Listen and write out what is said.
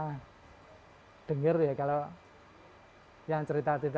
setelah dikumpulkan tahu dan takwa dikumpulkan menjadi jenis yang berbeda